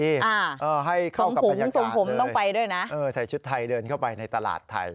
ให้เข้ากับพยาบาลยากาศเลยเออใส่ชุดไทยเดินเข้าไปในตลาดไทยใส่ชุดไทยเดินเข้าไปในตลาดไทย